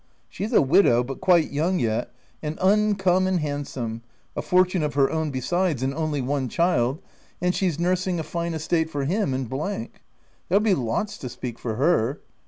She's a widow, but quite young yet, and uncommon handsome — a fortune of her own, besides, and only one child — and she's nursing a fine estate for him in There'll be lots to speak for her